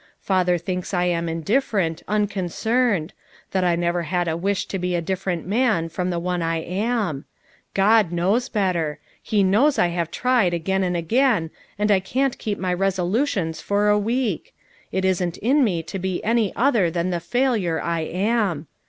Father thinks I am indifferent, unconcerned; thai I never had a wish to he a different man from the one I am; God knows better; he knows I have tried again and again, and I can't keep my resolutions for a week; it isn't in mo to he any other than the failure I am.